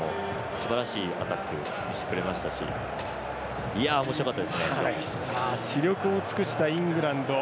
すばらしいアタックしてくれましたし死力を尽くしたイングランド。